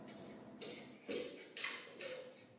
Nejčastější příčinou smrti je selhání ledvin.